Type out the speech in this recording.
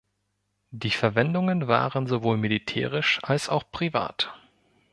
Die Verwendungen waren sowohl militärisch als auch privat.